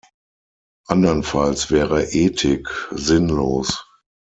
Andernfalls wäre Ethik sinnlos.